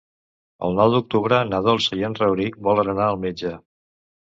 El nou d'octubre na Dolça i en Rauric volen anar al metge.